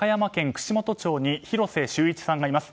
串本町に広瀬修一さんがいます。